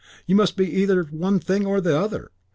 You must be either one thing or the other.